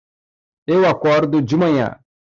Eu acordo de manhã